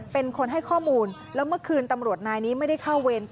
เป็นคนให้ข้อมูลแล้วเมื่อคืนตำรวจนายนี้ไม่ได้เข้าเวร